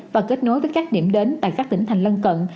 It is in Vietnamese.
và kết nối với các điểm đến tại các tỉnh thành lân cận